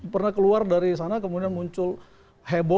pernah keluar dari sana kemudian muncul heboh